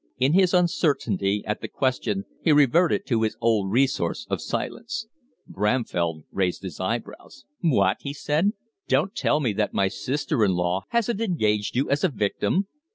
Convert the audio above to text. In his uncertainty at the question he reverted to his old resource of silence. Bramfell raised his eyebrows. "What!" he said. "Don't tell me that my sister in law hasn't engaged you as a victim."